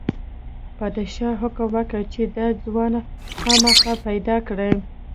پادشاه حکم وکړ چې دا ځوان خامخا پیدا کړئ.